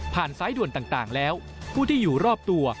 ซ้ายด่วนต่างแล้วผู้ที่อยู่รอบตัว